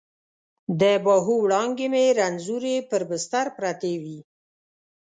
د باهو وړانګې مې رنځورې پر بستر پرتې وي